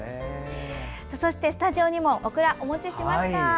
そして、スタジオにもオクラをお持ちしました。